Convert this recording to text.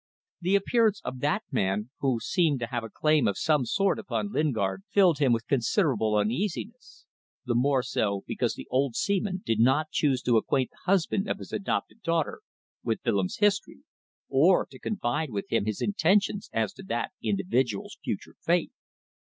The appearance of that man, who seemed to have a claim of some sort upon Lingard, filled him with considerable uneasiness, the more so because the old seaman did not choose to acquaint the husband of his adopted daughter with Willems' history, or to confide to him his intentions as to that individual's future fate.